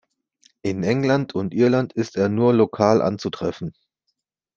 In England und Irland ist er nur lokal anzutreffen.